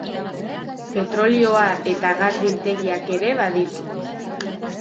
Petrolioa eta gas biltegiak ere baditu.